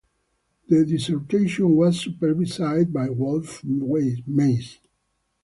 The dissertation was supervised by Wolfe Mays.